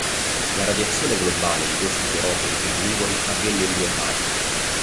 La radiazione globale di questi teropodi carnivori avvenne in due fasi.